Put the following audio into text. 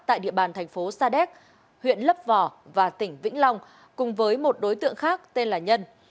tại địa bàn thành phố sa đéc huyện lấp vò và tỉnh vĩnh long cùng với một đối tượng khác tên là nhân